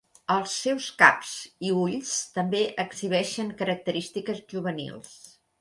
Els seus caps i ulls també exhibeixen característiques juvenils.